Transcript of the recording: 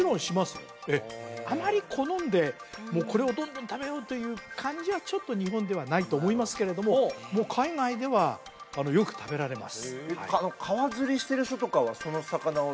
よええあまり好んでもうこれをどんどん食べようという感じはちょっと日本ではないと思いますけれどももう海外ではよく食べられます